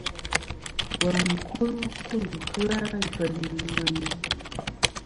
Wul ncum kɨ-a ifel i ŋweni.